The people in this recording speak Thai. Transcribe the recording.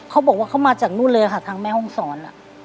เขาบอกว่าเขามาจากนู่นเลยค่ะทางแม่ห้องศร